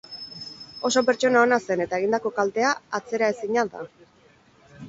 Oso pertsona ona zen eta egindako kaltea atzeraezina da.